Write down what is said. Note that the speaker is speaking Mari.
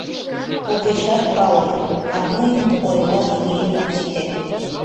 — Огешат пале, а мыйын ойлаш вием ок сите.